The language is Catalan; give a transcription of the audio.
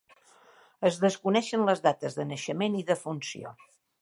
Es desconeixen les dates de naixement i defunció.